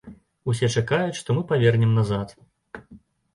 Усе чакаюць, што мы павернем назад.